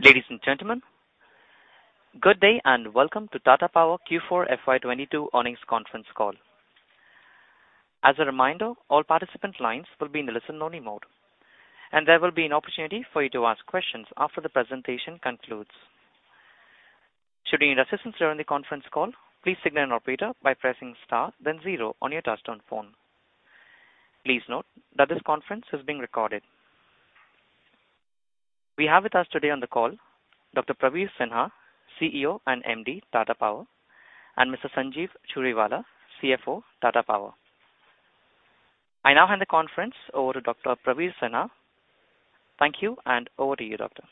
Ladies and gentlemen, good day and welcome to Tata Power Q4 FY 2022 earnings conference call. As a reminder, all participant lines will be in the listen only mode, and there will be an opportunity for you to ask questions after the presentation concludes. Should you need assistance during the conference call, please signal an operator by pressing star then zero on your touchtone phone. Please note that this conference is being recorded. We have with us today on the call Dr. Praveer Sinha, CEO and MD, Tata Power, and Mr. Sanjeev Churiwala, CFO, Tata Power. I now hand the conference over to Dr. Praveer Sinha. Thank you and over to you, doctor.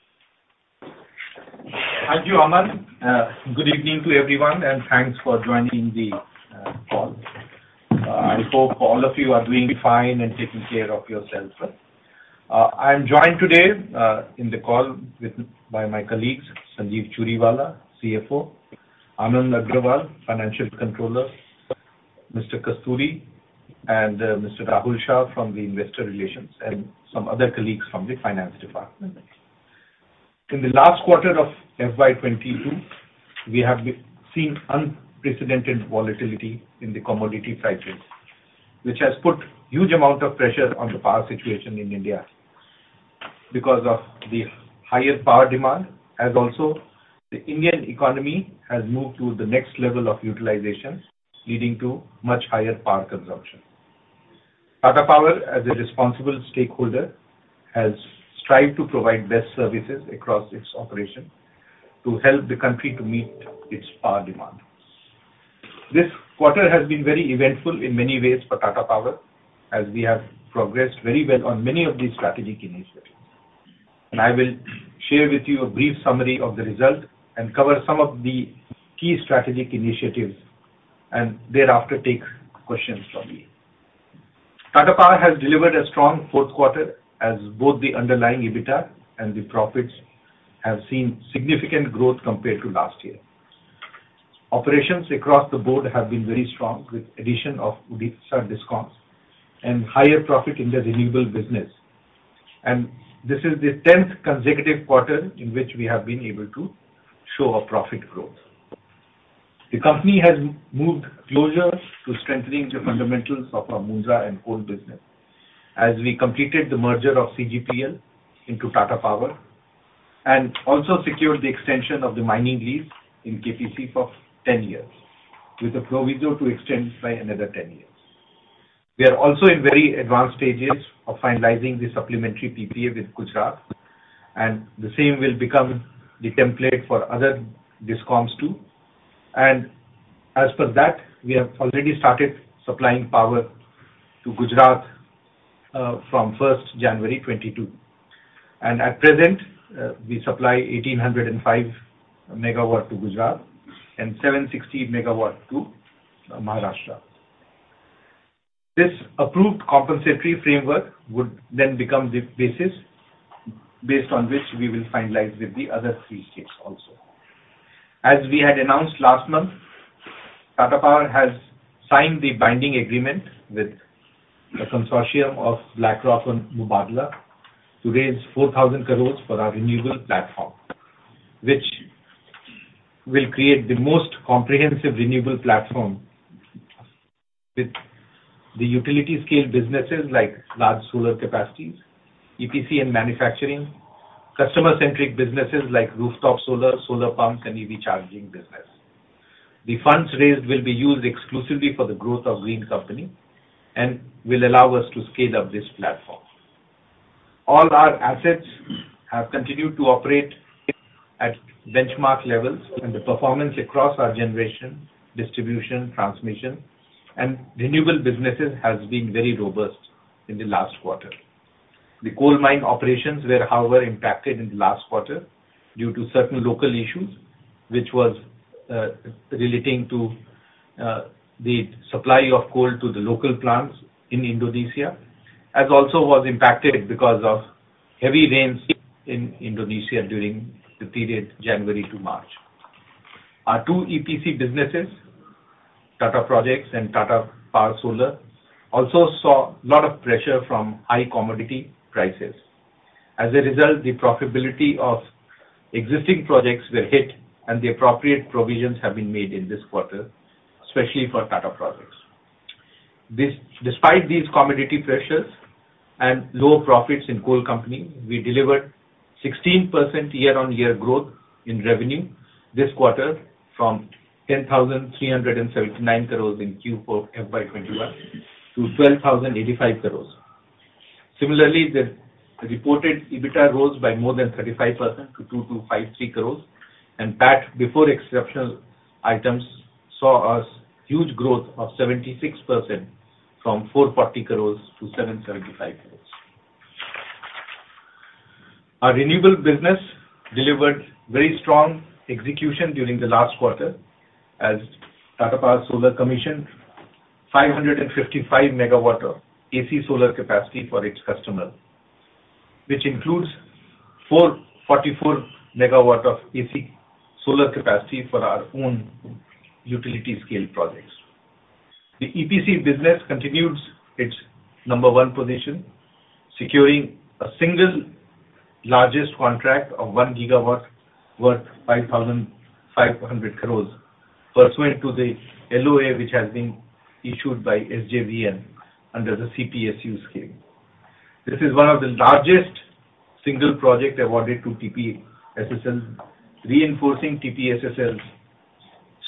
Thank you, Aman. Good evening to everyone, and thanks for joining the call. I hope all of you are doing fine and taking care of yourselves. I'm joined today in the call by my colleagues Sanjeev Churiwala, CFO, Anand Agarwal, Financial Controller, Mr. Kasturi and Mr. Rahul Shah from the Investor Relations, and some other colleagues from the finance department. In the last quarter of FY 2022, we have seen unprecedented volatility in the commodity cycles, which has put huge amount of pressure on the power situation in India because of the higher power demand, as also the Indian economy has moved to the next level of utilization, leading to much higher power consumption. Tata Power, as a responsible stakeholder, has strived to provide best services across its operation to help the country to meet its power demand. This quarter has been very eventful in many ways for Tata Power as we have progressed very well on many of these strategic initiatives. I will share with you a brief summary of the result and cover some of the key strategic initiatives, and thereafter, take questions from you. Tata Power has delivered a strong fourth quarter as both the underlying EBITDA and the profits have seen significant growth compared to last year. Operations across the board have been very strong with addition of Odisha DISCOMs and higher profit in the renewable business. This is the 10th consecutive quarter in which we have been able to show a profit growth. The company has moved closer to strengthening the fundamentals of our Mundra and coal business as we completed the merger of CGPL into Tata Power and also secured the extension of the mining lease in KPC for 10 years with a proviso to extend by another 10 years. We are also in very advanced stages of finalizing the supplementary PPA with Gujarat, and the same will become the template for other DISCOMs too. As per that, we have already started supplying power to Gujarat from first January 2022. At present, we supply 1,805 MW to Gujarat and 760 MW to Maharashtra. This approved compensatory framework would then become the basis on which we will finalize with the other three states also. As we had announced last month, Tata Power has signed the binding agreement with a consortium of BlackRock and Mubadala to raise 4,000 crore for our renewable platform, which will create the most comprehensive renewable platform with the utility scale businesses like large solar capacities, EPC and manufacturing, customer centric businesses like rooftop solar pumps and EV charging business. The funds raised will be used exclusively for the growth of green company and will allow us to scale up this platform. All our assets have continued to operate at benchmark levels and the performance across our generation, distribution, transmission and renewable businesses has been very robust in the last quarter. The coal mine operations were however impacted in the last quarter due to certain local issues which was relating to the supply of coal to the local plants in Indonesia, as also was impacted because of heavy rains in Indonesia during the period January to March. Our two EPC businesses, Tata Projects and Tata Power Solar, also saw a lot of pressure from high commodity prices. As a result, the profitability of existing projects were hit and the appropriate provisions have been made in this quarter, especially for Tata Projects. Despite these commodity pressures and lower profits in coal company, we delivered 16% year-on-year growth in revenue this quarter from 10,379 crores in Q4 FY 2021 to 12,085 crores. Similarly, the reported EBITDA rose by more than 35% to 253 crores and PAT before exceptional items saw a huge growth of 76% from 440 crores to 775 crores. Our renewable business delivered very strong execution during the last quarter as Tata Power Solar commissioned 555 MW of AC solar capacity for its customers, which includes 444 MW of AC solar capacity for our own utility scale projects. The EPC business continues its number one position, securing a single largest contract of 1 GW worth 5,500 crores pursuant to the LOA, which has been issued by SJVN under the CPSU scheme. This is one of the largest single project awarded to TPSSL, reinforcing TPSSL's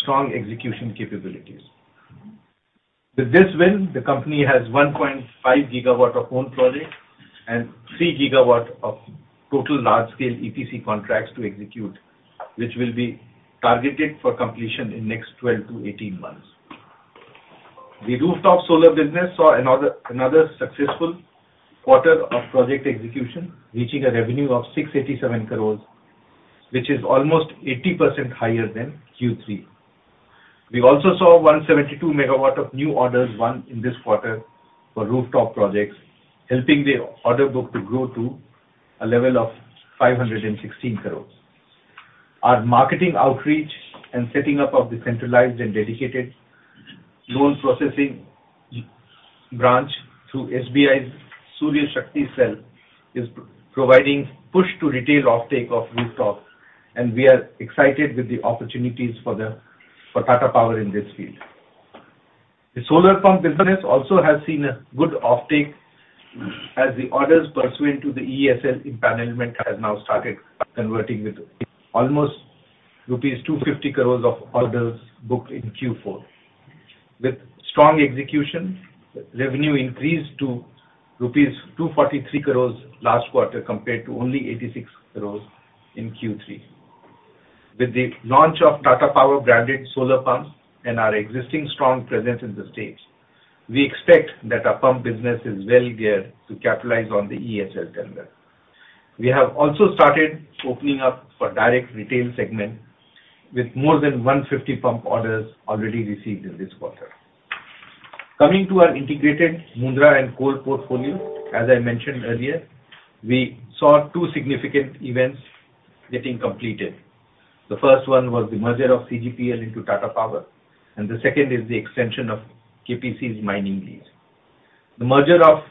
strong execution capabilities. With this win, the company has 1.5 GW of own project and 3 GW of total large-scale EPC contracts to execute, which will be targeted for completion in next 12 to 18 months. The rooftop solar business saw another successful quarter of project execution, reaching a revenue of 687 crore, which is almost 80% higher than Q3. We also saw 172 MW of new orders won in this quarter for rooftop projects, helping the order book to grow to a level of 516 crore. Our marketing outreach and setting up of the centralized and dedicated loan processing branch through SBI's Surya Shakti Cell is providing push to retail offtake of rooftop, and we are excited with the opportunities for Tata Power in this field. The solar pump business also has seen a good offtake as the orders pursuant to the EESL empanelment has now started converting with almost rupees 250 crores of orders booked in Q4. With strong execution, revenue increased to rupees 243 crores last quarter, compared to only 86 crores in Q3. With the launch of Tata Power branded solar pumps and our existing strong presence in the states, we expect that our pump business is well geared to capitalize on the EESL tender. We have also started opening up for direct retail segment with more than 150 pump orders already received in this quarter. Coming to our integrated Mundra and coal portfolio, as I mentioned earlier, we saw two significant events getting completed. The first one was the merger of CGPL into Tata Power, and the second is the extension of KPC's mining lease. The merger of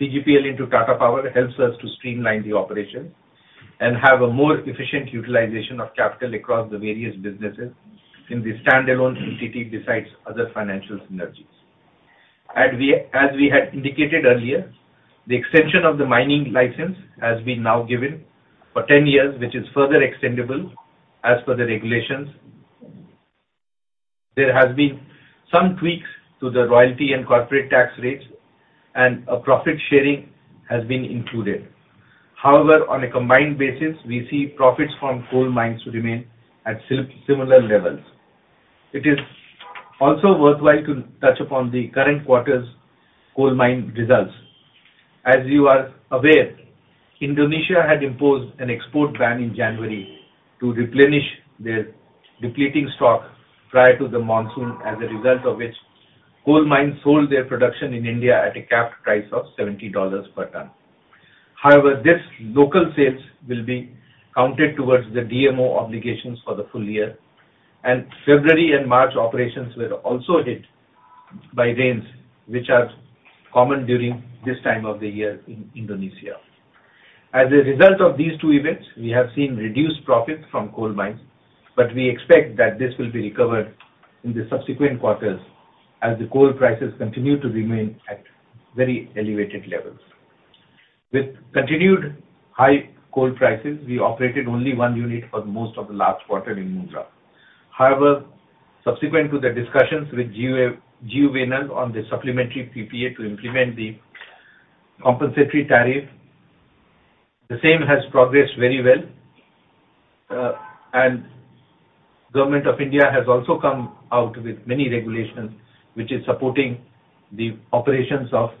CGPL into Tata Power helps us to streamline the operation and have a more efficient utilization of capital across the various businesses in the standalone entity besides other financial synergies. As we had indicated earlier, the extension of the mining license has been now given for 10 years, which is further extendable as per the regulations. There has been some tweaks to the royalty and corporate tax rates, and a profit sharing has been included. However, on a combined basis, we see profits from coal mines to remain at similar levels. It is also worthwhile to touch upon the current quarter's coal mine results. As you are aware, Indonesia had imposed an export ban in January to replenish their depleting stock prior to the monsoon. As a result of which, coal mines sold their production in India at a capped price of $70 per ton. However, this local sales will be counted towards the DMO obligations for the full year, and February and March operations were also hit by rains, which are common during this time of the year in Indonesia. As a result of these two events, we have seen reduced profits from coal mines, but we expect that this will be recovered in the subsequent quarters as the coal prices continue to remain at very elevated levels. With continued high coal prices, we operated only one unit for most of the last quarter in Mundra. However, subsequent to the discussions with GUVNL on the supplementary PPA to implement the compensatory tariff, the same has progressed very well. Government of India has also come out with many regulations which is supporting the operations of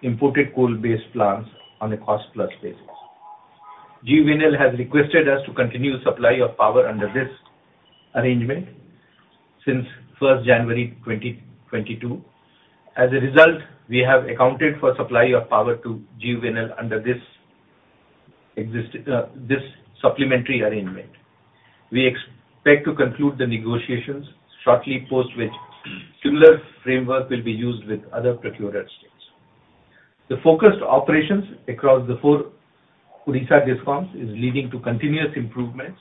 imported coal-based plants on a cost-plus basis. GUVNL has requested us to continue supply of power under this arrangement since January 1st, 2022. As a result, we have accounted for supply of power to GUVNL under this existing this supplementary arrangement. We expect to conclude the negotiations shortly post which similar framework will be used with other procurer states. The focused operations across the four Odisha DISCOMs is leading to continuous improvements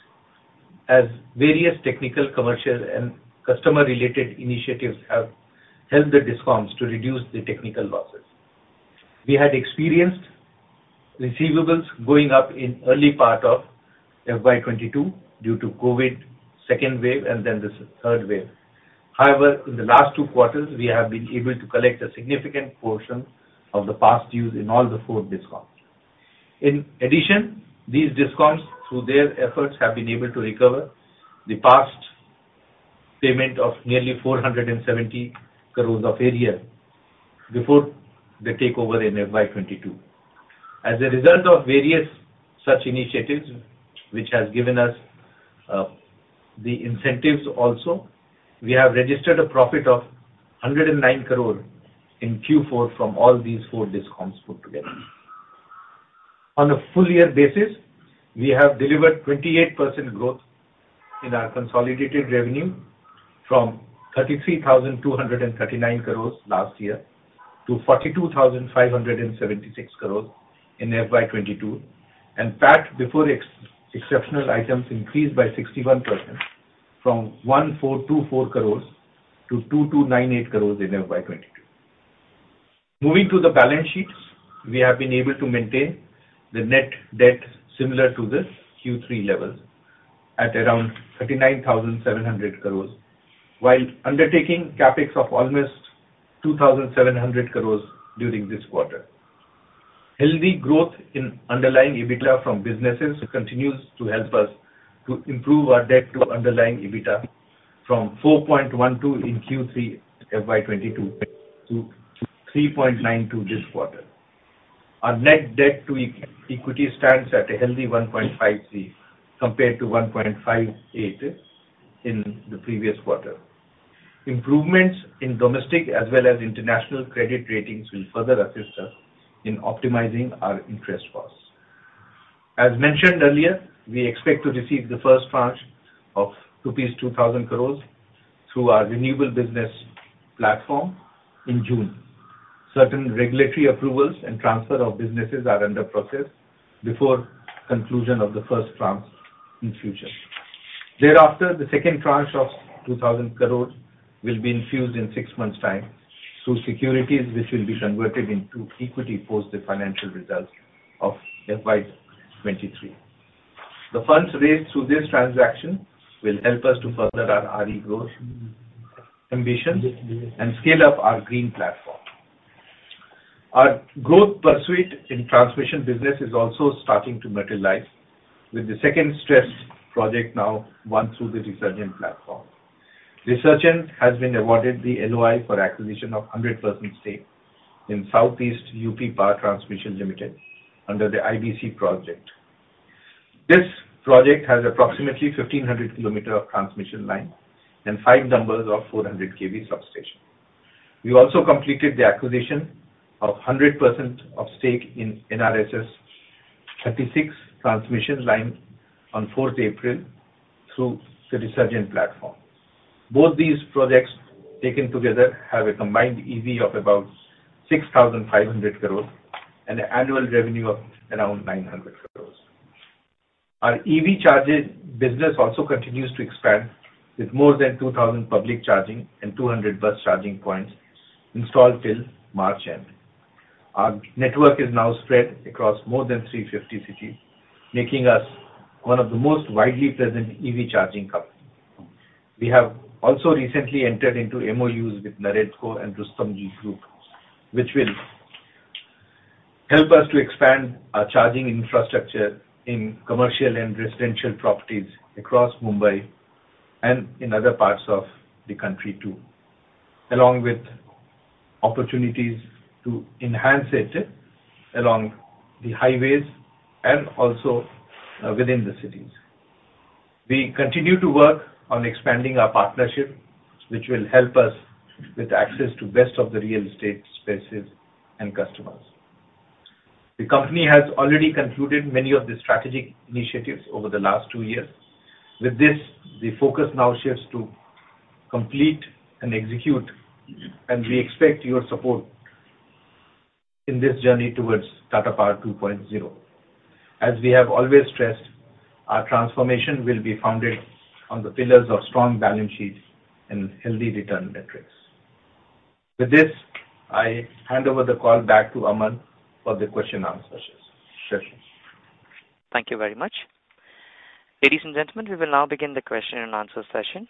as various technical, commercial, and customer-related initiatives have helped the DISCOMs to reduce the technical losses. We had experienced receivables going up in early part of FY 2022 due to COVID second wave and then this third wave. However, in the last two quarters, we have been able to collect a significant portion of the past dues in all the four DISCOMs. In addition, these DISCOMs, through their efforts, have been able to recover the past payment of nearly 470 crore of arrear before the takeover in FY 2022. As a result of various such initiatives, which has given us the incentives also, we have registered a profit of 109 crore in Q4 from all these four DISCOMs put together. On a full year basis, we have delivered 28% growth in our consolidated revenue from 33,239 crore last year to 42,576 crore in FY 2022. PAT before exceptional items increased by 61% from 1,424 crore to 2,298 crore in FY 2022. Moving to the balance sheets, we have been able to maintain the net debt similar to the Q3 levels at around 39,700 crores, while undertaking CapEx of almost 2,700 crores during this quarter. Healthy growth in underlying EBITDA from businesses continues to help us to improve our debt to underlying EBITDA from 4.12 in Q3 FY 2022 to three point nine two this quarter. Our net debt to equity stands at a healthy 1.53 compared to 1.58 in the previous quarter. Improvements in domestic as well as international credit ratings will further assist us in optimizing our interest costs. As mentioned earlier, we expect to receive the first tranche of rupees 2,000 crores through our renewable business platform in June. Certain regulatory approvals and transfer of businesses are under process before conclusion of the first tranche in future. Thereafter, the second tranche of 2,000 crore will be infused in six months' time through securities which will be converted into equity post the financial results of FY 2023. The funds raised through this transaction will help us to further our RE growth ambitions and scale up our green platform. Our growth pursuit in transmission business is also starting to materialize with the second stressed project now won through the Resurgent platform. Resurgent has been awarded the LOI for acquisition of 100% stake in South East U.P. Power Transmission Company Limited under the IBC project. This project has approximately 1,500 km of transmission line and five 400 KV substations. We also completed the acquisition of 100% of stake in NRSS XXXVI transmission line on 4 April through the Resurgent platform. Both these projects taken together have a combined EV of about 6,500 crores and an annual revenue of around 900 crores. Our EV charges business also continues to expand with more than 2,000 public charging and 200 bus charging points installed till March end. Our network is now spread across more than 350 cities, making us one of the most widely present EV charging company. We have also recently entered into MOUs with NAREDCO and Rustomjee Group, which will help us to expand our charging infrastructure in commercial and residential properties across Mumbai and in other parts of the country too, along with opportunities to enhance it along the highways and also within the cities. We continue to work on expanding our partnership, which will help us with access to best of the real estate spaces and customers. The company has already concluded many of the strategic initiatives over the last two years. With this, the focus now shifts to complete and execute, and we expect your support in this journey towards Tata Power 2.0. As we have always stressed, our transformation will be founded on the pillars of strong balance sheets and healthy return metrics. With this, I hand over the call back to Aman for the question and answer session. Thank you very much. Ladies and gentlemen, we will now begin the question and answer session.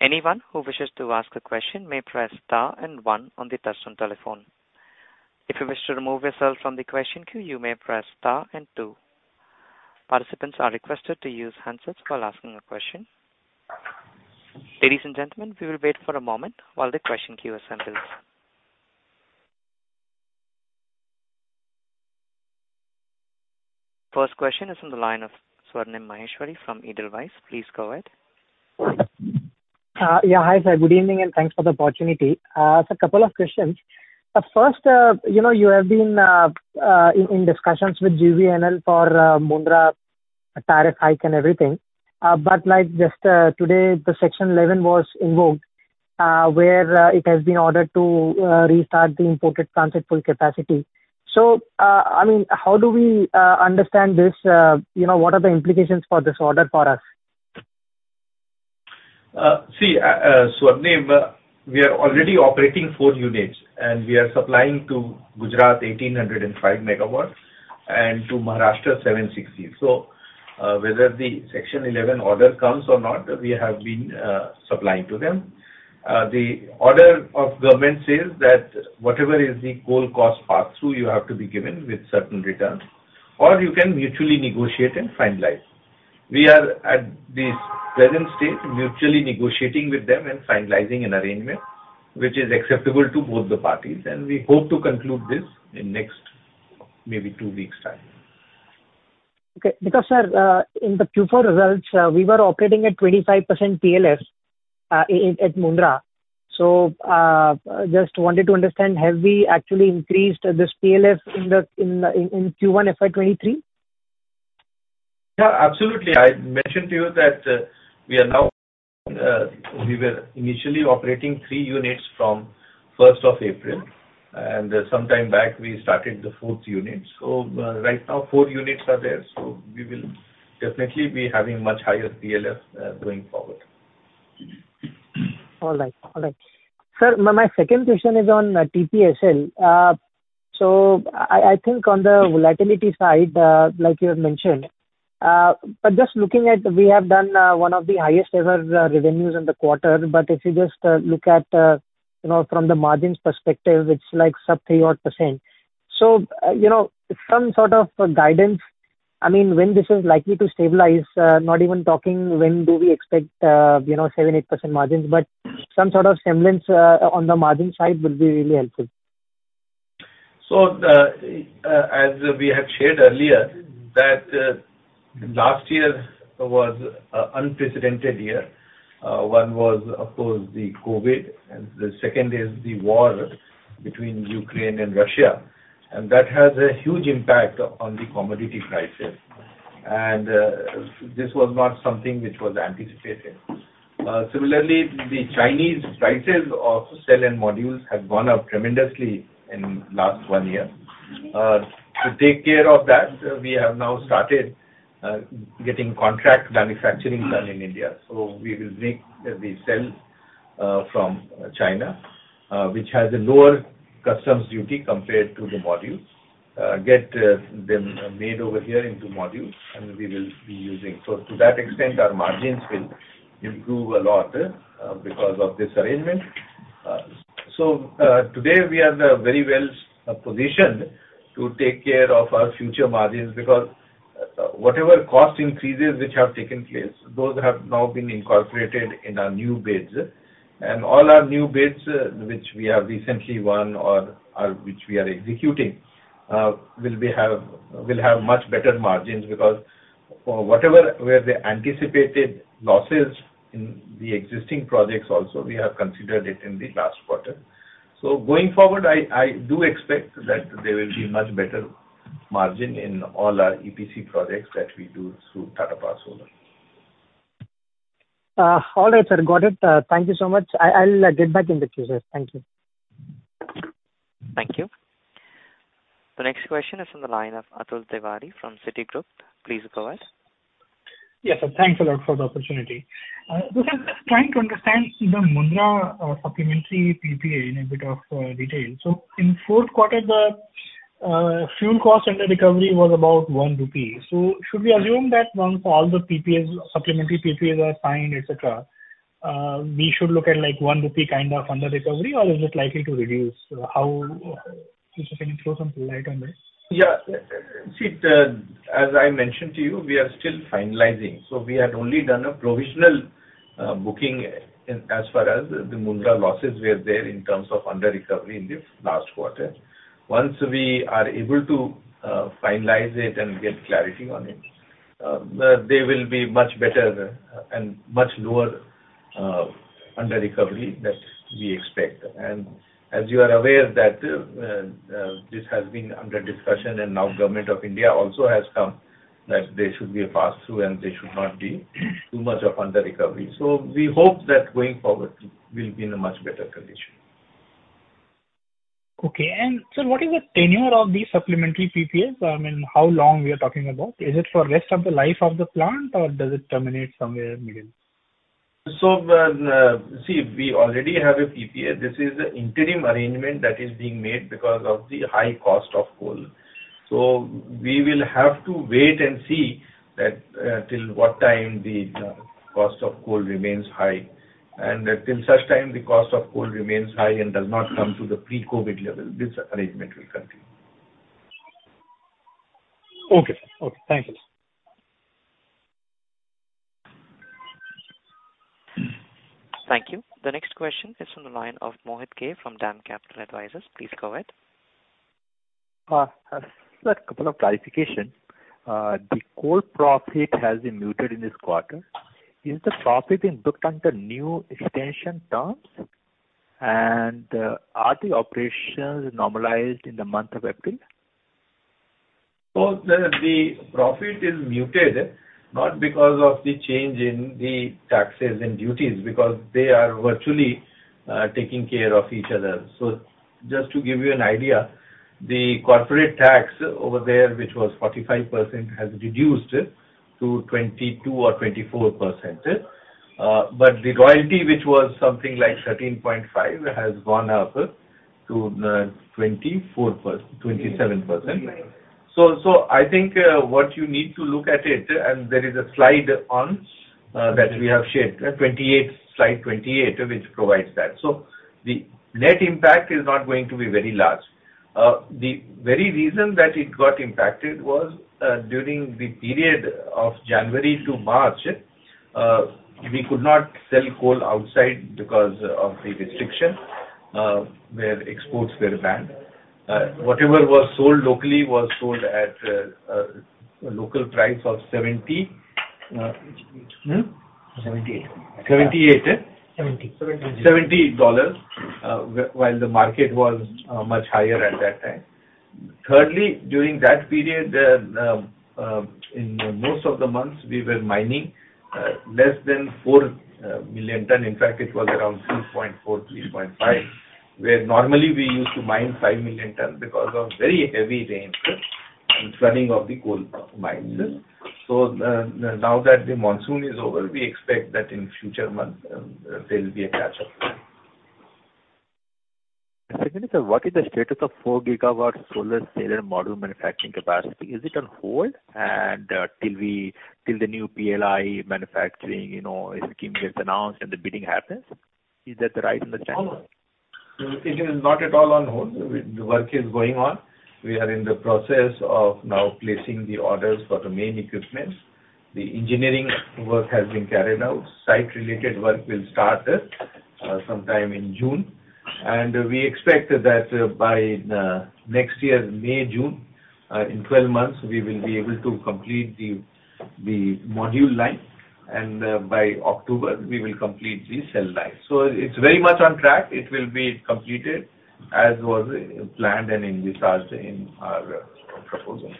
Anyone who wishes to ask a question may press star and one on the touchtone telephone. If you wish to remove yourself from the question queue, you may press star and two. Participants are requested to use handsets while asking a question. Ladies and gentlemen, we will wait for a moment while the question queue assembles. First question is on the line of Swarnim Maheshwari from Edelweiss. Please go ahead. Yeah. Hi, sir. Good evening, and thanks for the opportunity. Couple of questions. First, you know, you have been in discussions with GUVNL for Mundra tariff hike and everything. Like just today, Section 11 was invoked, where it has been ordered to restart the import to its full capacity. I mean, how do we understand this? You know, what are the implications for this order for us? See, Swarnim, we are already operating four units, and we are supplying to Gujarat 1,805 MW and to Maharashtra 760. Whether the Section 11 order comes or not, we have been supplying to them. The order of government says that whatever is the coal cost pass-through, you have to be given with certain returns, or you can mutually negotiate and finalize. We are at this present stage mutually negotiating with them and finalizing an arrangement which is acceptable to both the parties, and we hope to conclude this in next maybe two weeks' time. Sir, in the Q4 results, we were operating at 25% PLF at Mundra. Just wanted to understand, have we actually increased this PLF in Q1 FY 2023? Yeah, absolutely. I mentioned to you that we were initially operating three units from first of April, and some time back we started the fourth unit. Right now four units are there, so we will definitely be having much higher PLF going forward. All right. Sir, my second question is on TPSL. I think on the volatility side, like you had mentioned, but just looking at, we have done one of the highest ever revenues in the quarter, but if you just look at, you know, from the margins perspective, it's like sub three odd percentage. You know, some sort of guidance. I mean, when this is likely to stabilize, not even talking, when do we expect, you know, 7% to 8% margins, but some sort of semblance on the margin side will be really helpful. As we had shared earlier that last year was an unprecedented year. One was, of course, the COVID, and the second is the war between Ukraine and Russia, and that has a huge impact on the commodity prices. This was not something which was anticipated. Similarly, the Chinese prices of cell and modules have gone up tremendously in last one year. To take care of that, we have now started getting contract manufacturing done in India. We will make the cell from China, which has a lower customs duty compared to the modules, get them made over here into modules, and we will be using. To that extent, our margins will improve a lot because of this arrangement. Today we are very well positioned to take care of our future margins because whatever cost increases which have taken place, those have now been incorporated in our new bids. All our new bids which we have recently won or which we are executing will have much better margins because for whatever were the anticipated losses in the existing projects also we have considered it in the last quarter. Going forward, I do expect that there will be much better margin in all our EPC projects that we do through Tata Power Solar. All right, sir. Got it. Thank you so much. I'll get back in the queue, sir. Thank you. Thank you. The next question is from the line of Atul Tiwari from Citigroup. Please go ahead. Yes, sir. Thanks a lot for the opportunity. Just trying to understand the Mundra, supplementary PPA in a bit of detail. In fourth quarter the fuel cost and the recovery was about 1 rupee. Should we assume that once all the PPAs, supplementary PPAs are signed, et cetera, we should look at, like, 1 rupee kind of under recovery or is it likely to reduce? How? If you can throw some light on this. Yeah. See, as I mentioned to you, we are still finalizing. We had only done a provisional booking in as far as the Mundra losses were there in terms of under recovery in the last quarter. Once we are able to finalize it and get clarity on it, they will be much better and much lower under recovery that we expect. As you are aware that this has been under discussion and now Government of India also has come that there should be a pass-through and there should not be too much of under recovery. We hope that going forward we'll be in a much better condition. Okay. Sir, what is the tenure of the supplementary PPAs? I mean, how long we are talking about? Is it for rest of the life of the plant or does it terminate somewhere in the middle? We already have a PPA. This is an interim arrangement that is being made because of the high cost of coal. We will have to wait and see that, till what time the cost of coal remains high. Till such time the cost of coal remains high and does not come to the pre-COVID level, this arrangement will continue. Okay, sir. Okay. Thank you, sir. Thank you. The next question is from the line of Mohit Kumar from DAM Capital Advisors. Please go ahead. Sir, a couple of clarification. The coal profit has been muted in this quarter. Is the profit been booked under new extension terms? Are the operations normalized in the month of April? The profit is muted not because of the change in the taxes and duties because they are virtually taking care of each other. Just to give you an idea, the corporate tax over there, which was 45%, has reduced to 22% or 24%. But the royalty, which was something like 13.5, has gone up to 27%. I think what you need to look at it, and there is a slide on that we have shared, Slide 28, which provides that. The net impact is not going to be very large. The very reason that it got impacted was during the period of January to March, we could not sell coal outside because of the restriction where exports were banned. Whatever was sold locally was sold at a local price of $78. $78. $78. $78. $70, while the market was much higher at that time. Thirdly, during that period, in most of the months we were mining less than four million tons. In fact, it was around 3.4 to 3.5, where normally we used to mine five million tons because of very heavy rains and flooding of the coal mines. Now that the monsoon is over, we expect that in future months, there will be a catch-up. Secondly, sir, what is the status of 4 GW solar cell and module manufacturing capacity? Is it on hold and till the new PLI manufacturing, you know, scheme gets announced and the bidding happens? Is that the right? No. It is not at all on hold. The work is going on. We are in the process of now placing the orders for the main equipment. The engineering work has been carried out. Site-related work will start sometime in June. We expect that by next year, May, June, in 12 months, we will be able to complete the module line, and by October we will complete the cell line. It's very much on track. It will be completed as was planned and envisaged in our proposals.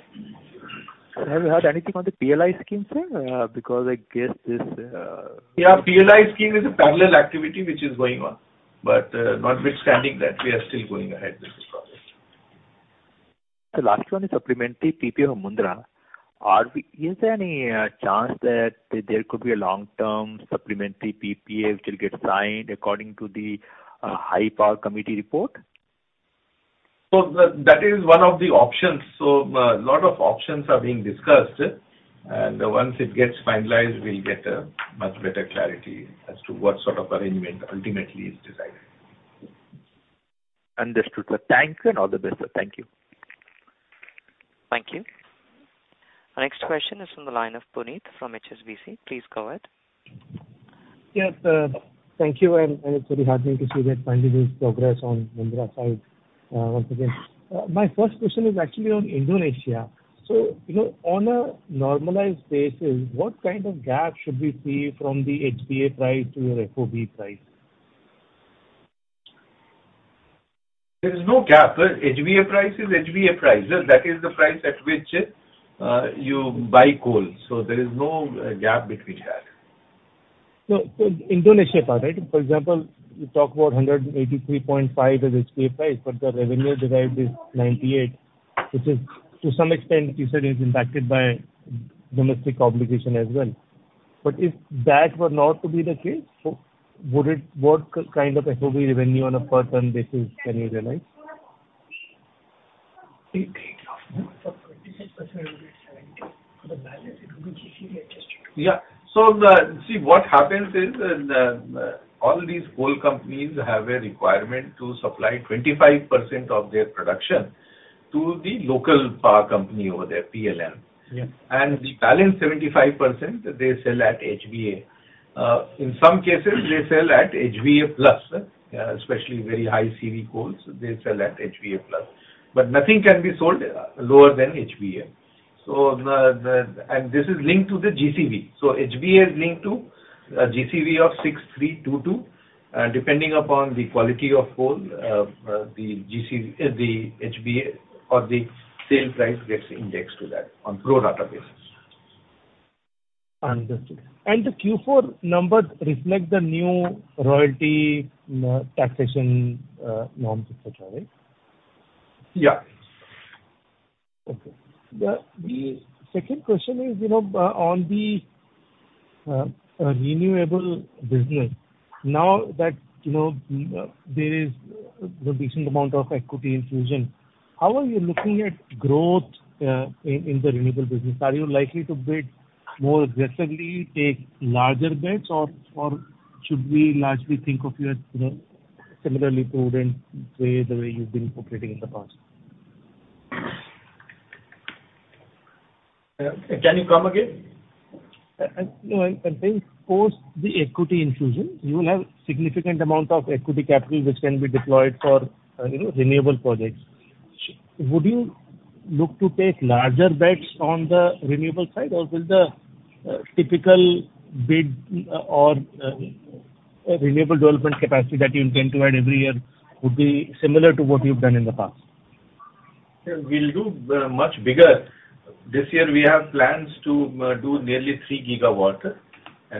Have you heard anything on the PLI scheme, sir? Because I guess this, Yeah, PLI scheme is a parallel activity which is going on. Notwithstanding that, we are still going ahead with the project. The last one is supplementary PPA for Mundra. Is there any chance that there could be a long-term supplementary PPA which will get signed according to the High Powered Committee report? That is one of the options. Lot of options are being discussed. Once it gets finalized, we'll get a much better clarity as to what sort of arrangement ultimately is desired. Understood, sir. Thanks and all the best, sir. Thank you. Thank you. Our next question is from the line of Puneet from HSBC. Please go ahead. Yes, thank you, and it's very heartening to see that finally there's progress on Mundra side, once again. My first question is actually on Indonesia. You know, on a normalized basis, what kind of gap should we see from the HBA price to your FOB price? There is no gap. HBA price is HBA price. That is the price at which you buy coal. There is no gap between that. Indonesia part, right? For example, you talk about $183.5 as HBA price, but the revenue derived is $98, which is to some extent you said is impacted by domestic obligation as well. If that were not to be the case, what kind of FOB revenue on a per ton basis can you realize? For 25% it will be $70. For the balance it will be GCV adjusted. See, what happens is, all these coal companies have a requirement to supply 25% of their production to the local power company over there, PLN. Yeah. The balance 75% they sell at HBA. In some cases, they sell at HBA plus, especially very high CV coals, they sell at HBA plus. Nothing can be sold lower than HBA. This is linked to the GCV. HBA is linked to a GCV of 6,322. Depending upon the quality of coal, the GCV, the HBA or the sale price gets indexed to that on pro rata basis. Understood. The Q4 numbers reflect the new royalty, taxation, norms, et cetera, right? Yeah. Okay. The second question is, you know, on the renewable business. Now that, you know, there is a decent amount of equity infusion, how are you looking at growth in the renewable business? Are you likely to bid more aggressively, take larger bets or should we largely think of you as, you know, similarly prudent way, the way you've been operating in the past? Can you come again? No. I'm saying post the equity infusion, you will have significant amount of equity capital which can be deployed for, you know, renewable projects. Would you look to take larger bets on the renewable side or will the typical bid or renewable development capacity that you intend to add every year would be similar to what you've done in the past? We'll do much bigger. This year we have plans to do nearly 3 GW.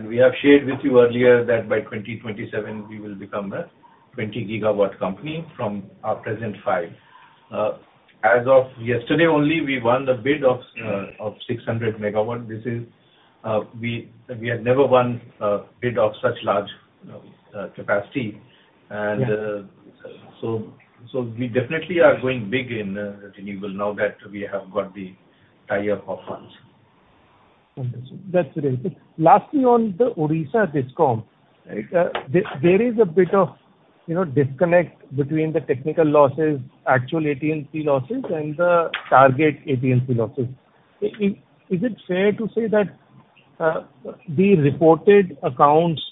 We have shared with you earlier that by 2027 we will become a 20 GW company from our present five. As of yesterday only, we won the bid of 600 MW. This is, we had never won a bid of such large capacity. Yeah. We definitely are going big in renewables now that we have got the tie-up of funds. Understood. That's very good. Lastly, on the Odisha DISCOM, right? There is a bit of, you know, disconnect between the technical losses, actual AT&C losses and the target AT&C losses. Is it fair to say that the reported accounts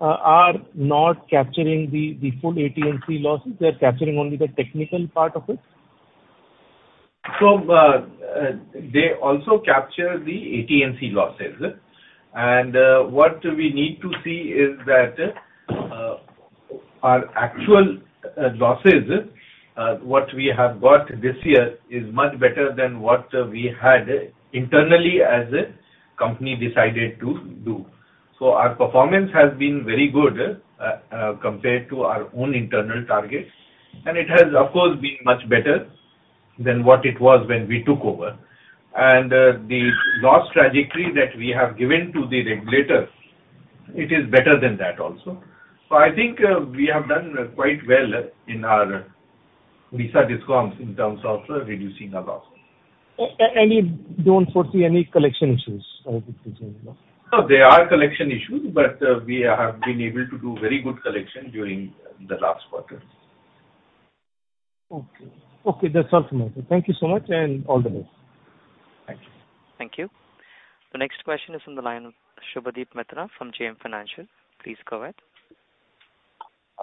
are not capturing the full AT&C losses. They're capturing only the technical part of it? They also capture the AT&C losses. What we need to see is that our actual losses what we have got this year is much better than what we had internally as a company decided to do. Our performance has been very good compared to our own internal targets, and it has of course been much better than what it was when we took over. The loss trajectory that we have given to the regulators, it is better than that also. I think we have done quite well in our Odisha DISCOMs in terms of reducing our losses. Don't foresee any collection issues going forward? No, there are collection issues, but, we have been able to do very good collection during the last quarter. Okay. Okay, that's all from me. Thank you so much, and all the best. Thank you. Thank you. The next question is from the line of Subhadip Mitra from JM Financial. Please go ahead.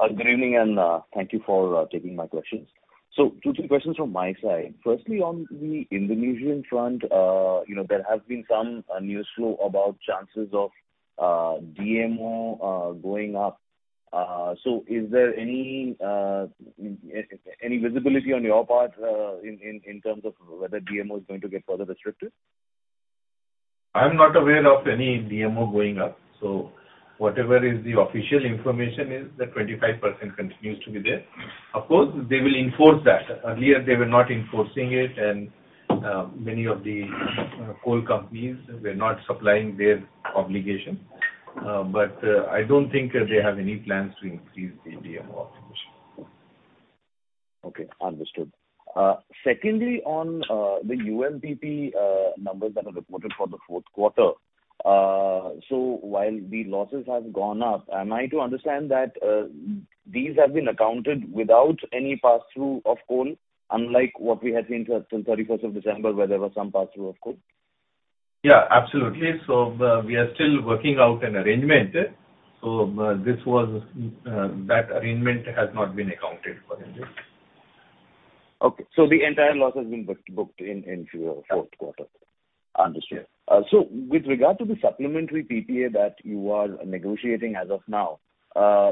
Good evening and thank you for taking my questions. Two, three questions from my side. Firstly, on the Indonesian front, you know, there has been some news flow about chances of DMO going up. Is there any visibility on your part, in terms of whether DMO is going to get further restricted? I'm not aware of any DMO going up, so whatever is the official information is that 25% continues to be there. Of course, they will enforce that. Earlier they were not enforcing it and many of the coal companies were not supplying their obligation. I don't think they have any plans to increase the DMO obligation. Okay, understood. Secondly, on the UMPP numbers that are reported for the fourth quarter. While the losses have gone up, am I to understand that these have been accounted without any passthrough of coal, unlike what we had seen till thirty-first of December, where there was some passthrough of coal? Yeah, absolutely. We are still working out an arrangement. This was, that arrangement has not been accounted for in this. Okay. The entire loss has been booked into your fourth quarter? Yes. Understood. With regard to the supplementary PPA that you are negotiating as of now,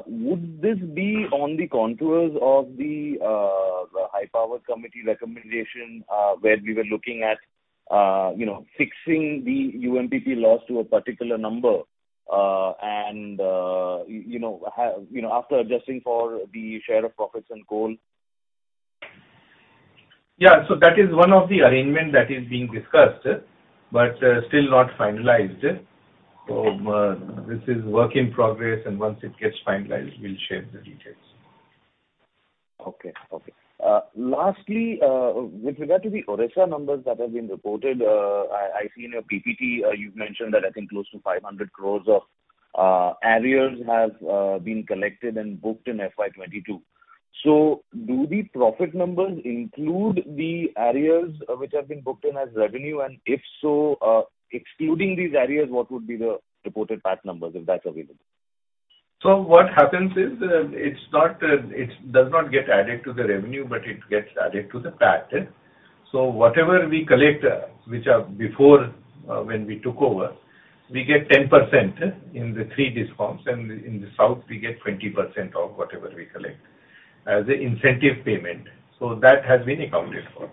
would this be on the contours of the High Powered Committee recommendation, where we were looking at, you know, fixing the UMPP loss to a particular number, and, you know, have, you know, after adjusting for the share of profits and coal? That is one of the arrangement that is being discussed, but still not finalized. This is work in progress, and once it gets finalized, we'll share the details. Lastly, with regard to the Odisha numbers that have been reported, I see in your PPT, you've mentioned that I think close to 500 crore of arrears have been collected and booked in FY 2022. Do the profit numbers include the arrears which have been booked in as revenue? And if so, excluding these arrears, what would be the reported PAT numbers, if that's available? What happens is, it does not get added to the revenue, but it gets added to the PAT. Whatever we collect, which are before, when we took over, we get 10% in the three DISCOMs and in the south we get 20% of whatever we collect as a incentive payment. That has been accounted for.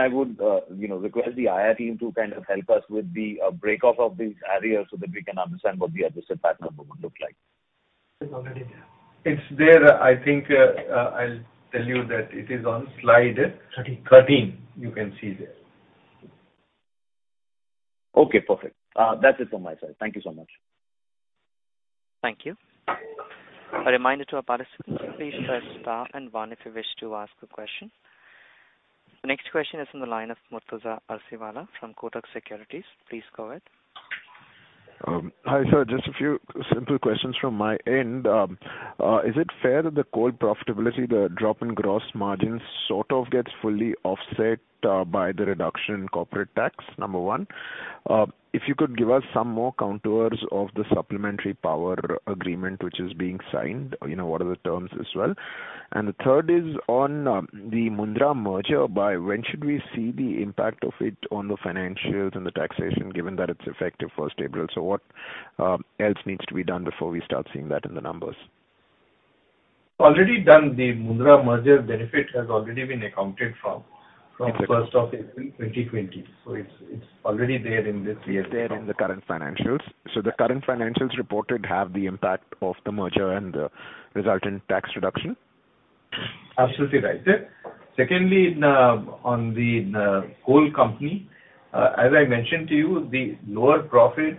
I would, you know, request the IR team to kind of help us with the breakup of these arrears so that we can understand what the adjusted PAT number would look like. It's already there. It's there. I think, I'll tell you that it is on slide- Thirteen. 13. You can see there. Okay, perfect. That's it from my side. Thank you so much. Thank you. A reminder to our participants, please press star and one if you wish to ask a question. The next question is from the line of Murtuza Arsiwala from Kotak Securities. Please go ahead. Hi, sir, just a few simple questions from my end. Is it fair that the coal profitability, the drop in gross margins sort of gets fully offset by the reduction in corporate tax? Number one. If you could give us some more contours of the supplementary power agreement which is being signed, you know, what are the terms as well. The third is on the Mundra merger. By when should we see the impact of it on the financials and the taxation, given that it's effective first April? What else needs to be done before we start seeing that in the numbers? Already done. The Mundra merger benefit has already been accounted for from first of April 2020. It's already there in this year's. It's there in the current financials. The current financials reported have the impact of the merger and the resultant tax reduction? Absolutely right. Secondly, on the coal company, as I mentioned to you, the lower profit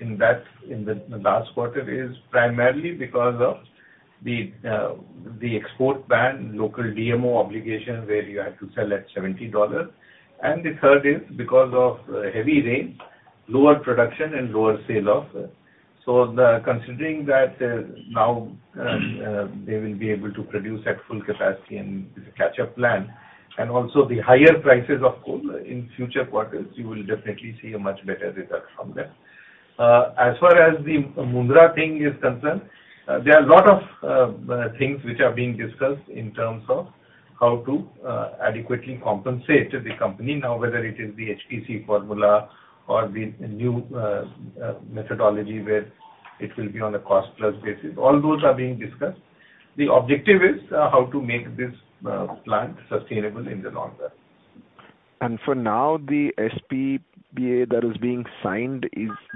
in that in the last quarter is primarily because of the export ban, local DMO obligation, where you have to sell at $70. The third is because of heavy rain, lower production and lower sale of. Considering that, now they will be able to produce at full capacity and catch-up plan, and also the higher prices of coal in future quarters, you will definitely see a much better result from that. As far as the Mundra thing is concerned, there are a lot of things which are being discussed in terms of how to adequately compensate the company. Now, whether it is the HPC formula or the new methodology where it will be on a cost-plus basis. All those are being discussed. The objective is how to make this plant sustainable in the long run. For now, the SPPA that is being signed,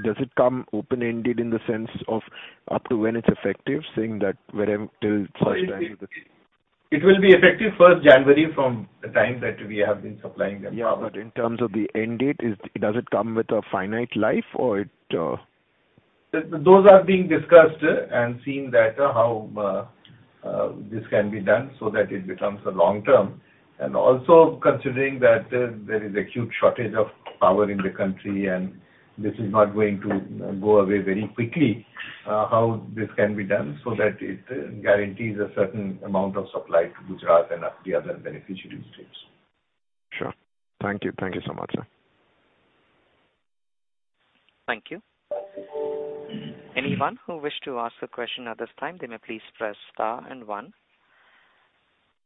does it come open-ended in the sense of up to when it's effective, saying that when till such time? It will be effective first January from the time that we have been supplying them power. Yeah. In terms of the end date, does it come with a finite life or it? Those are being discussed and seeing that how this can be done so that it becomes a long term. Also considering that there is acute shortage of power in the country, and this is not going to go away very quickly, how this can be done so that it guarantees a certain amount of supply to Gujarat and the other beneficiary states. Sure. Thank you. Thank you so much, sir. Thank you. Anyone who wish to ask a question at this time, they may please press star and one.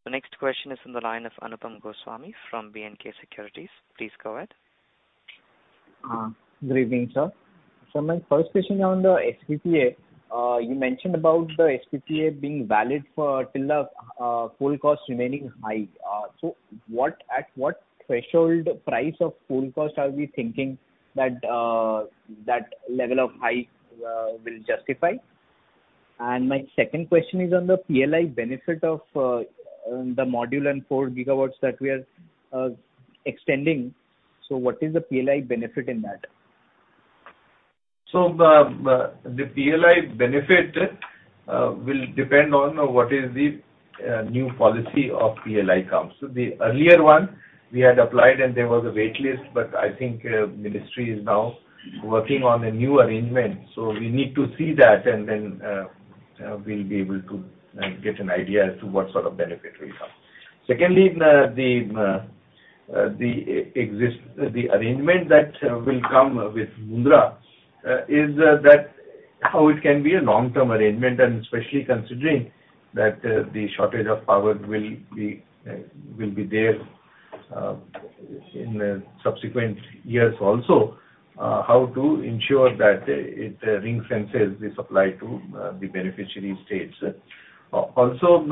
The next question is on the line of Anupam Goswami from B&K Securities. Please go ahead. Good evening, sir. My first question on the SPPA. You mentioned about the SPPA being valid until the fuel cost remaining high. At what threshold price of fuel cost are we thinking that that level of high will justify? My second question is on the PLI benefit of the module and 4 GW that we are extending. What is the PLI benefit in that? PLI benefit will depend on what is the new policy of PLI comes. The earlier one we had applied and there was a wait list, but I think ministry is now working on a new arrangement. We need to see that and then we'll be able to get an idea as to what sort of benefit will come. Secondly, the arrangement that will come with Mundra is that how it can be a long-term arrangement, and especially considering that the shortage of power will be there in the subsequent years also. How to ensure that it ring fences the supply to the beneficiary states. Also,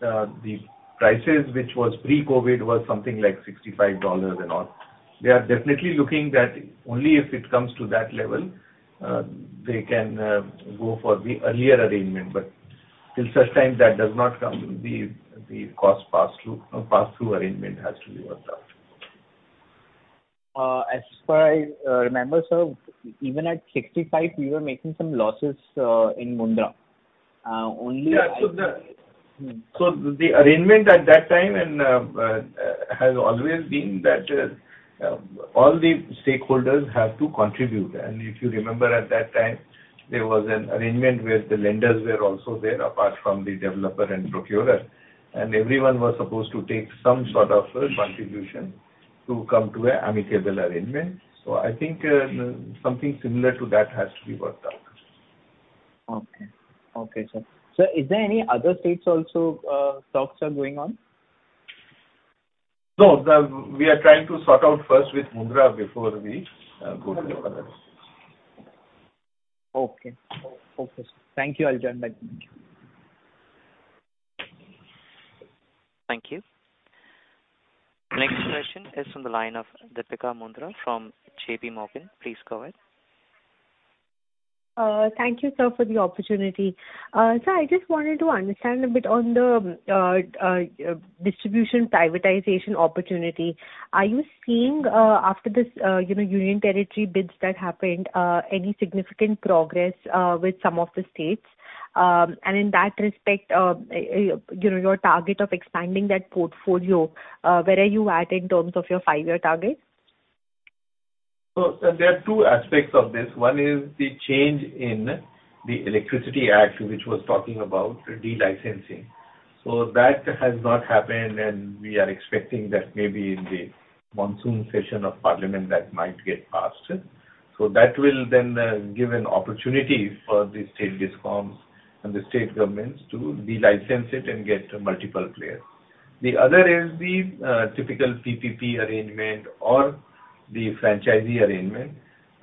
the prices, which was pre-COVID, was something like $65 and all. They are definitely looking that only if it comes to that level, they can go for the earlier arrangement. Till such time that does not come, the cost pass-through arrangement has to be worked out. As far as I remember, sir, even at 65, we were making some losses in Mundra. Yeah. Mm-hmm. The arrangement at that time and, has always been that, all the stakeholders have to contribute. If you remember at that time, there was an arrangement where the lenders were also there, apart from the developer and procurer, and everyone was supposed to take some sort of contribution to come to an amicable arrangement. I think, something similar to that has to be worked out. Okay. Okay, sir. Sir, is there any other states also, talks are going on? No. We are trying to sort out first with Mundra before we go to the other states. Okay. Okay, sir. Thank you. I'll join back. Thank you. Thank you. Next question is from the line of Deepika Mundra from J.P. Morgan. Please go ahead. Thank you, sir, for the opportunity. Sir, I just wanted to understand a bit on the distribution privatization opportunity. Are you seeing, after this, you know, union territory bids that happened, any significant progress with some of the states? In that respect, you know, your target of expanding that portfolio, where are you at in terms of your five-year target? There are two aspects of this. One is the change in the Electricity Act, which was talking about de-licensing. That has not happened, and we are expecting that maybe in the monsoon session of Parliament that might get passed. That will then give an opportunity for the state DISCOMs and the state governments to de-license it and get multiple players. The other is the typical PPP arrangement or the franchisee arrangement.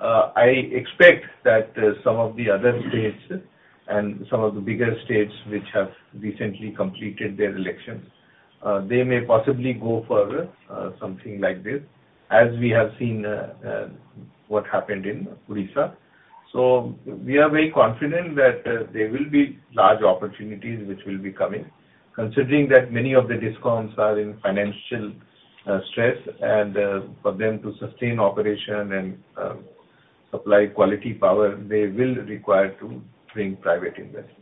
I expect that some of the other states and some of the bigger states which have recently completed their elections, they may possibly go for something like this, as we have seen what happened in Odisha. We are very confident that there will be large opportunities which will be coming, considering that many of the DISCOMs are in financial stress and for them to sustain operation and supply quality power, they will require to bring private investment.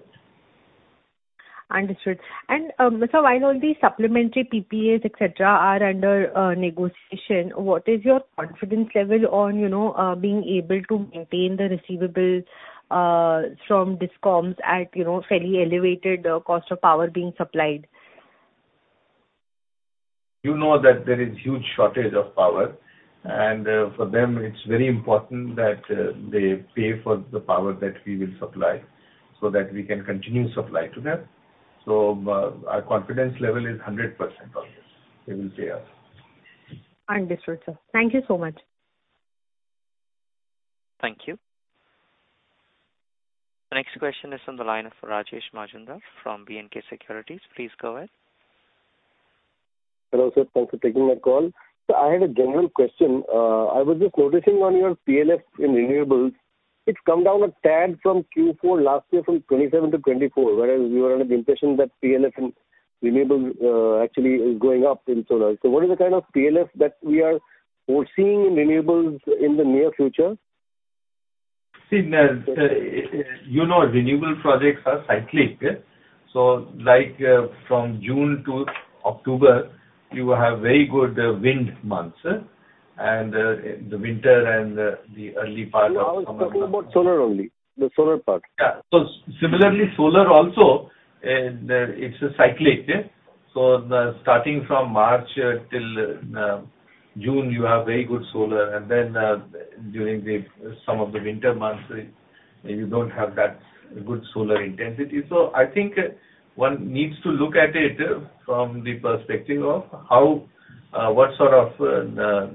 Understood. While all these supplementary PPAs, etc., are under negotiation, what is your confidence level on being able to maintain the receivables from DISCOMs at fairly elevated cost of power being supplied? You know that there is huge shortage of power, and for them it's very important that they pay for the power that we will supply so that we can continue supply to them. Our confidence level is 100% on this. They will pay us. Understood, sir. Thank you so much. Thank you. The next question is on the line for Rajesh Majumdar from B&K Securities. Please go ahead. Hello, sir. Thanks for taking my call. I had a general question. I was just noticing on your PLF in renewables, it's come down a tad from Q4 last year from 27 to 24, whereas we were under the impression that PLF in renewables actually is going up in solar. What is the kind of PLF that we are foreseeing in renewables in the near future? See, you know renewable projects are cyclic. Like, from June to October, you have very good wind months, and the winter and the early part of summer. No, I was talking about solar only. The solar part. Yeah. Similarly, solar also, it's cyclical. The starting from March till June you have very good solar and then during some of the winter months, you don't have that good solar intensity. I think one needs to look at it from the perspective of how what sort of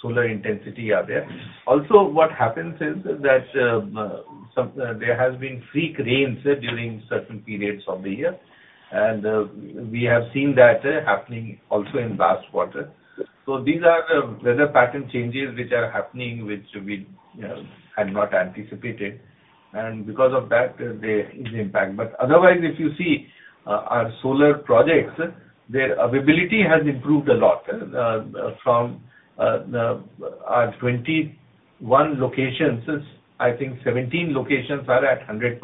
solar intensity are there. Also, what happens is that there has been freak rains during certain periods of the year, and we have seen that happening also in last quarter. These are the weather pattern changes which are happening, which we had not anticipated. Because of that, there is impact. Otherwise if you see, our solar projects, their availability has improved a lot, from our 21 locations. I think 17 locations are at 100%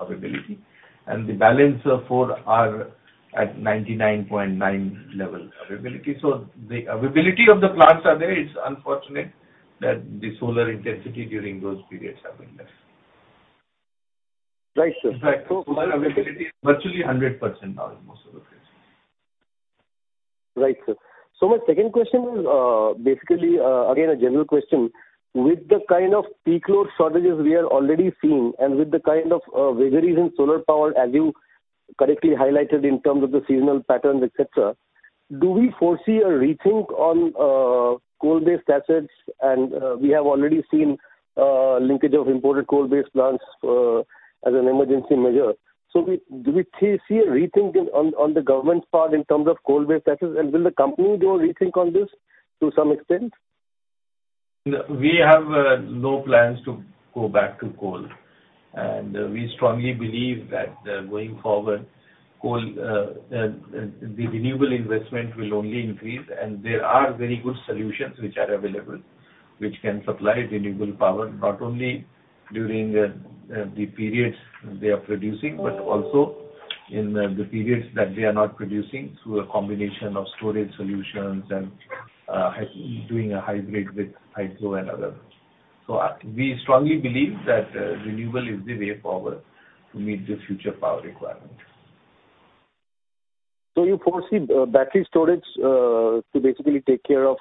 availability, and the balance of four are at 99.9 level availability. The availability of the plants are there. It's unfortunate that the solar intensity during those periods have been less. Right, sir. In fact, solar availability is virtually 100% now in most of the cases. Right, sir. My second question is, basically, again, a general question. With the kind of peak load shortages we are already seeing and with the kind of vagaries in solar power as you correctly highlighted in terms of the seasonal patterns, etc., do we foresee a rethink on coal-based assets? We have already seen linkage of imported coal-based plants as an emergency measure. Do we see a rethink on the government's part in terms of coal-based assets? Will the company do a rethink on this to some extent? No. We have no plans to go back to coal. We strongly believe that going forward, the renewable investment will only increase. There are very good solutions which are available, which can supply renewable power, not only during the periods they are producing, but also in the periods that they are not producing through a combination of storage solutions and doing a hybrid with hydro and other. We strongly believe that renewable is the way forward to meet the future power requirements. You foresee battery storage to basically take care of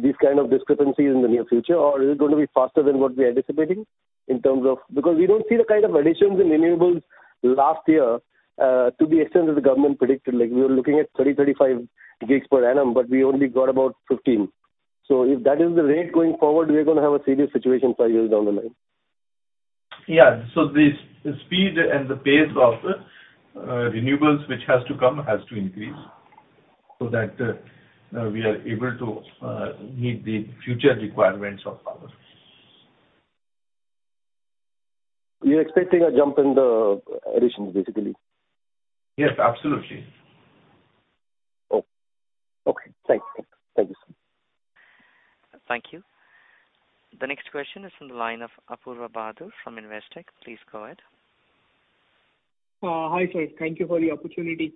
these kind of discrepancies in the near future? Or is it going to be faster than what we are anticipating in terms of. Because we don't see the kind of additions in renewables last year to the extent that the government predicted. Like, we were looking at 30, 35 gigs per annum, but we only got about 15. If that is the rate going forward, we're gonna have a serious situation five years down the line. Yeah. The speed and the pace of renewables, which has to come, has to increase so that we are able to meet the future requirements of power. You're expecting a jump in the additions basically? Yes, absolutely. Oh. Okay. Thanks. Thank you, sir. Thank you. The next question is from the line of Apurva Bahadur from Investec. Please go ahead. Hi, sir. Thank you for the opportunity.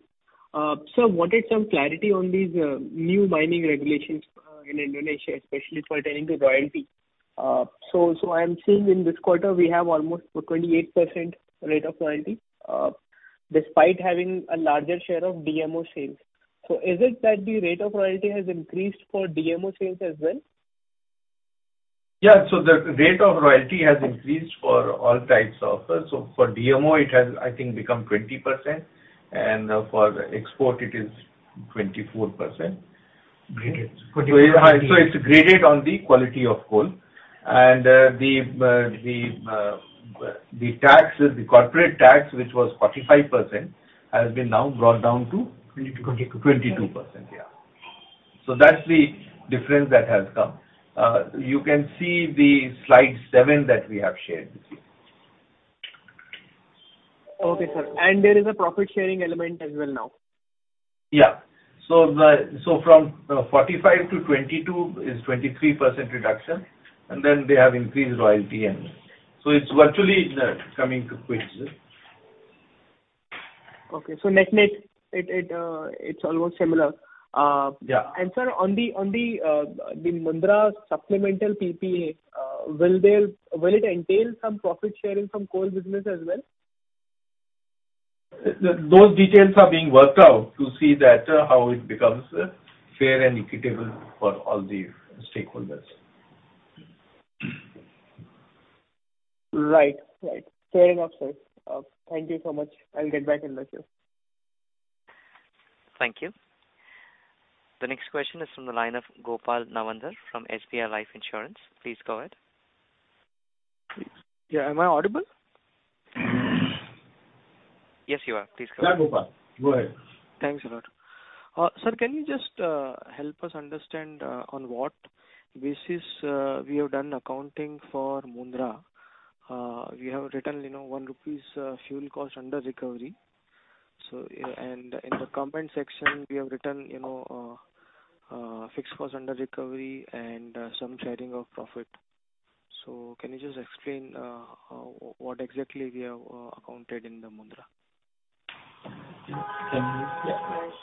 Sir, wanted some clarity on these new mining regulations in Indonesia, especially pertaining to royalty. I am seeing in this quarter, we have almost a 28% rate of royalty, despite having a larger share of DMO sales. Is it that the rate of royalty has increased for DMO sales as well? Yeah. The rate of royalty has increased for all types of. For DMO it has, I think, become 20% and for export it is 24%. Graded. It's graded on the quality of coal. The corporate tax, which was 45%, has been now brought down to- Twenty-two. 22%. Yeah. That's the difference that has come. You can see the Slide 7 that we have shared with you. Okay, sir. There is a profit sharing element as well now. From 45 to 22 is 23% reduction, and then they have increased royalty. It's virtually coming to quits. Okay. Net-net, it's almost similar. Yeah. Sir, on the Mundra supplemental PPA, will it entail some profit sharing from coal business as well? Those details are being worked out to see that how it becomes fair and equitable for all the stakeholders. Right. Fair enough, sir. Thank you so much. I'll get back in touch, yeah. Thank you. The next question is from the line of Gopal Nawandhar from SBI Life Insurance. Please go ahead. Yeah, am I audible? Yes, you are. Please go ahead. Yeah, Gopal. Go ahead. Thanks a lot. Sir, can you just help us understand on what basis we have done accounting for Mundra? We have written, you know, 1 rupees fuel cost under recovery. In the comment section we have written, you know, fixed cost under recovery and some sharing of profit. Can you just explain what exactly we have accounted for the Mundra? Can you? Yeah, please.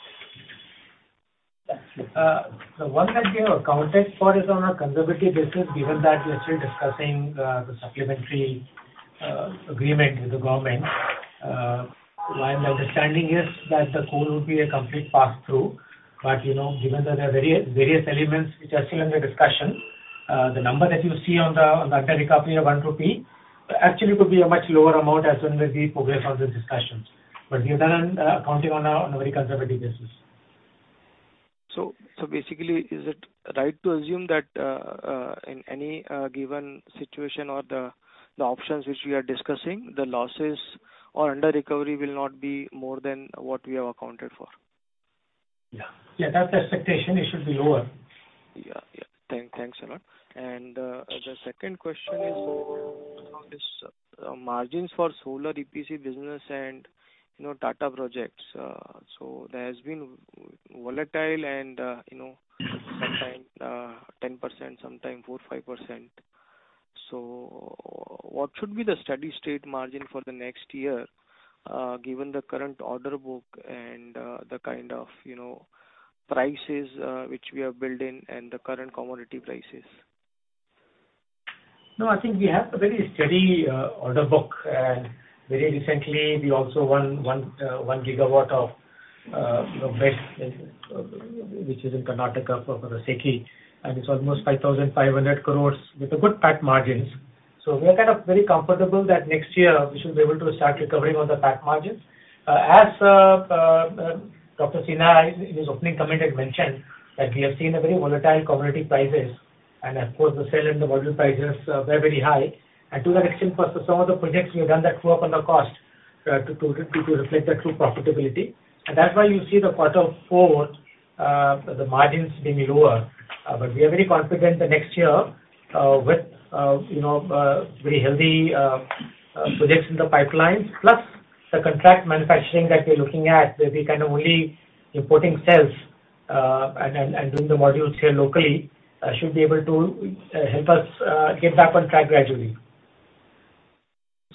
The one that we have accounted for is on a conservative basis, given that we're still discussing the supplementary agreement with the government. My understanding is that the coal will be a complete pass-through. But, you know, given that there are various elements which are still under discussion, the number that you see on the under-recovery of 1 rupee actually could be a much lower amount as and when we progress on the discussions. But we have done accounting on a very conservative basis. Basically, is it right to assume that, in any given situation or the options which we are discussing, the losses or under-recovery will not be more than what we have accounted for? Yeah. Yeah. That's expectation, it should be lower. Thanks a lot. The second question is on this margins for solar EPC business and, you know, Tata Projects. There has been volatile and, you know, sometimes 10%, sometimes 4% to 5%. What should be the steady-state margin for the next year, given the current order book and the kind of, you know, prices which we have built in and the current commodity prices? No, I think we have a very steady order book. Very recently we also won 1 gigawatt, you know, bid, which is in Karnataka for the SECI, and it's almost 5,500 crores with a good PAT margins. We are kind of very comfortable that next year we should be able to start recovering on the PAT margins. Dr. Praveer Sinha in his opening comment had mentioned that we have seen a very volatile commodity prices and of course the cell and the module prices were very high. To that extent, for some of the projects we have done that true up on the cost, to reflect the true profitability. That's why you see the quarter four, the margins being lower. We are very confident the next year with you know projects in the pipeline plus the contract manufacturing that we're looking at where we kind of only importing cells and doing the modules here locally should be able to help us get back on track gradually.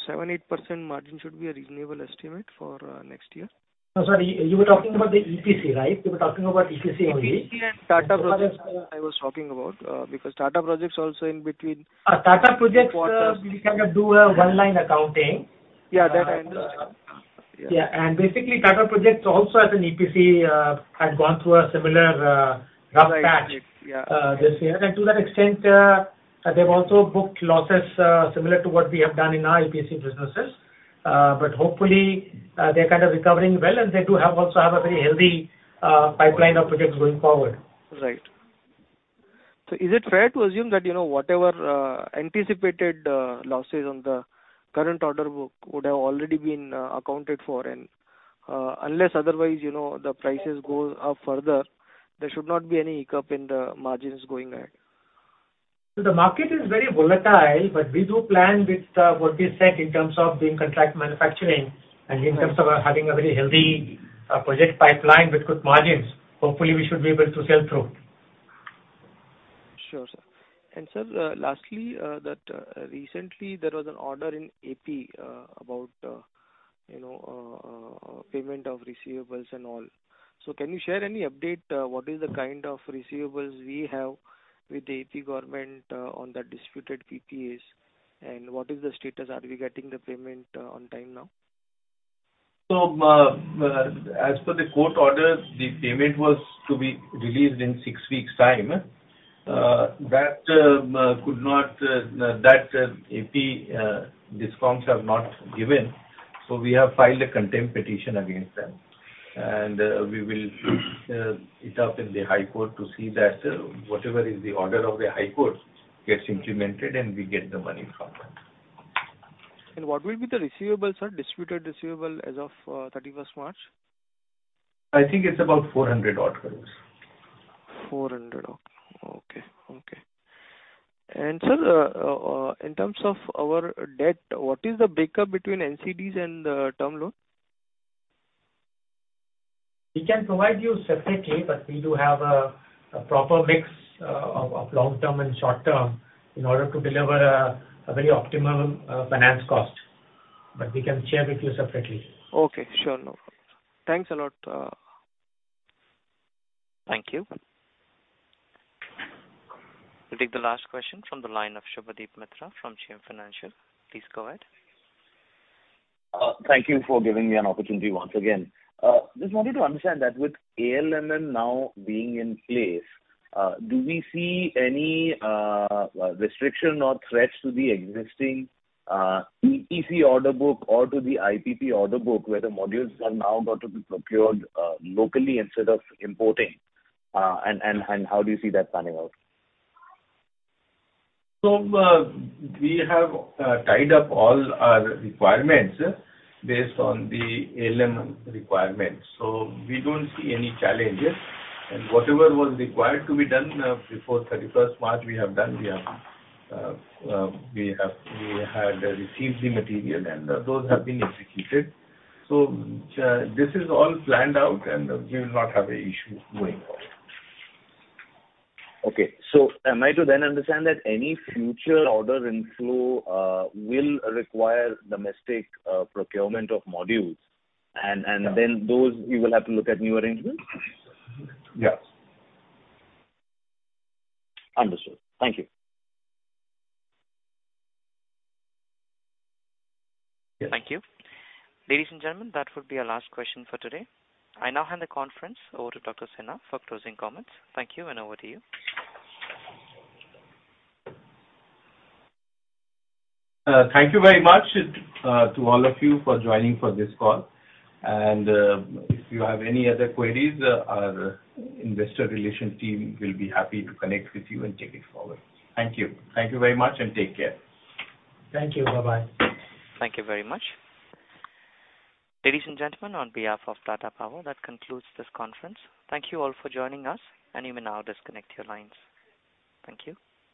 7% to 8% margin should be a reasonable estimate for next year? Oh, sorry, you were talking about the EPC, right? You were talking about EPC only. EPC and Tata Projects I was talking about. Because Tata Projects also in between quarters. Tata Projects, we kind of do a one-line accounting. Yeah, that I understand. Yeah. Yeah. Basically, Tata Projects also as an EPC had gone through a similar rough patch. Right. Yeah This year. To that extent, they've also booked losses, similar to what we have done in our EPC businesses. Hopefully, they're kind of recovering well, and they do have a very healthy pipeline of projects going forward. Right. Is it fair to assume that, you know, whatever anticipated losses on the current order book would have already been accounted for and, unless otherwise, you know, the prices go up further, there should not be any hiccup in the margins going ahead? The market is very volatile, but we do plan with what we said in terms of doing contract manufacturing and in terms of having a very healthy project pipeline with good margins. Hopefully, we should be able to sail through. Sure, sir. Sir, lastly, recently there was an order in AP about you know payment of receivables and all. Can you share any update what is the kind of receivables we have with the AP government on the disputed PPAs, and what is the status? Are we getting the payment on time now? As per the court order, the payment was to be released in six weeks time. The Odisha DISCOMs have not given, so we have filed a contempt petition against them. We will take it up in the High Court to see that whatever is the order of the High Court gets implemented and we get the money from them. What will be the receivables, sir, disputed receivables as of 31st March? I think it's about 400 odd crore. 400, okay. Sir, in terms of our debt, what is the breakup between NCDs and term loans? We can provide you separately, but we do have a proper mix of long-term and short-term in order to deliver a very optimal finance cost. We can share with you separately. Okay. Sure. No problem. Thanks a lot. Thank you. We'll take the last question from the line of Subhadip Mitra from JM Financial. Please go ahead. Thank you for giving me an opportunity once again. Just wanted to understand that with ALMM now being in place, do we see any restriction or threats to the existing EPC order book or to the IPP order book, where the modules have now got to be procured locally instead of importing? How do you see that panning out? We have tied up all our requirements based on the ALMM requirements, so we don't see any challenges. Whatever was required to be done before 31st March, we have done. We had received the material and those have been executed. This is all planned out and we will not have an issue going forward. Okay. Am I to then understand that any future order inflow will require domestic procurement of modules and? Yeah. Those you will have to look at new arrangements? Yes. Understood. Thank you. Yes. Thank you. Ladies and gentlemen, that would be our last question for today. I now hand the conference over to Dr. Sinha for closing comments. Thank you, and over to you. Thank you very much to all of you for joining for this call. If you have any other queries, our investor relations team will be happy to connect with you and take it forward. Thank you. Thank you very much and take care. Thank you. Bye-bye. Thank you very much. Ladies and gentlemen, on behalf of Tata Power, that concludes this conference. Thank you all for joining us and you may now disconnect your lines. Thank you.